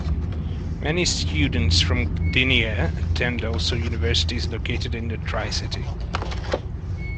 Many students from Gdynia attend also universities located in the Tricity.